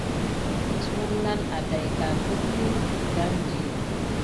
Məs wouna nà aɗaïka virmi keɗani.